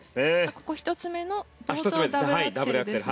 ここ１つ目の冒頭ダブルアクセルですね。